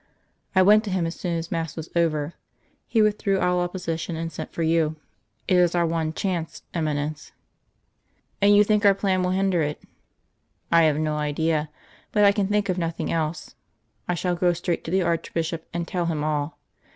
"I went to him as soon as mass was over. He withdrew all opposition, and sent for you. It is our one chance, Eminence." "And you think our plan will hinder it?" "I have no idea, but I can think of nothing else. I shall go straight to the Archbishop and tell him all.